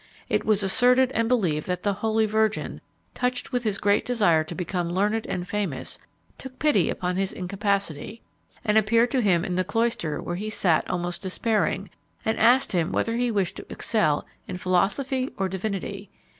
It was asserted and believed that the Holy Virgin, touched with his great desire to become learned and famous, took pity upon his incapacity, and appeared to him in the cloister where he sat almost despairing, and asked him whether he wished to excel in philosophy or divinity.